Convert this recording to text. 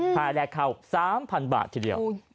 ภายในแรกข่าว๓๐๐๐บาททีเดียว